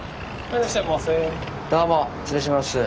どうも失礼します。